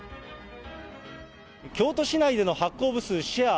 京都市内での発行部数シェア